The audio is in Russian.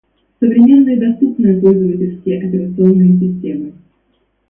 Современные доступные пользовательские операционные системы